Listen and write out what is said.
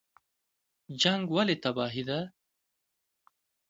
جنګ ولې تباهي ده؟